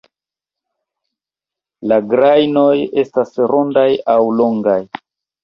La grajnoj estas rondaj aŭ longaj.